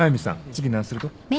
次何すると？